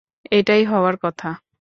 এটাই হওয়ার কথা।